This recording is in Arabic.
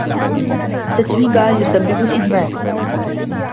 تتويبا يسبب الإدمان.